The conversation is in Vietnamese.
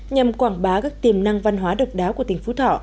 nhằm quảng bá các tiềm năng văn hóa độc đáo của tỉnh phú thọ